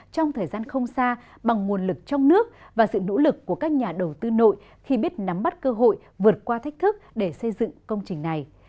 trong thời gian không xa bằng nguồn lực trong nước và sự nỗ lực của các nhà đầu tư nội khi biết nắm bắt cơ hội vượt qua thách thức để xây dựng công trình này